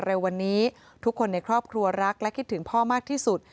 ในวันนี้ทุกคนในครอบครัวรักและคิดถึงพ่อมากที่สุด